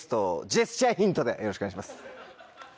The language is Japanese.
よろしくお願いします。